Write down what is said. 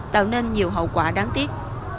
tạo nên nhiều hậu quả đáng tiếc